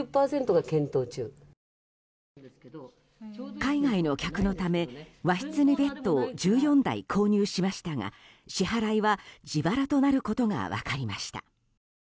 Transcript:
海外の客のため和室にベッドを１４台購入しましたが支払いは自腹となることが分かりました。